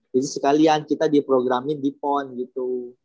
jadi sekalian kita diprogramin di pon gitu